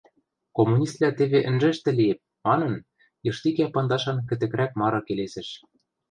Коммуниствлӓ теве ӹнжӹштӹ лиэп, – манын, йыштикӓ пандашан кӹтӹкрӓк мары келесӹш.